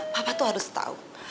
papa tuh harus tahu